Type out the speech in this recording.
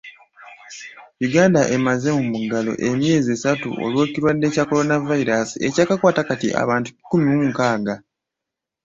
Uganda emaze mu muggalo emyezi esatu olw'ekirwadde kya Kolonavayiraasi ekyakakwata kati abantu kikumi mu nkaaga.